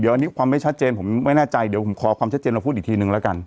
อันนี้ความไม่ชัดเจนผมไม่แน่ใจเดี๋ยวผมขอความชัดเจนมาพูดอีกทีนึงแล้วกัน